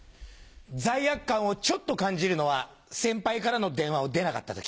罪悪感をちょっと感じるのは先輩からの電話を出なかった時。